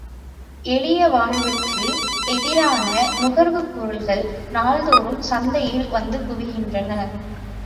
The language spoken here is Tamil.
எளிய வாழ்வுக்கு எதிரான நுகர்வுப் பொருள்கள் நாள்தோறும் சந்தையில் வந்து குவிகின்றன.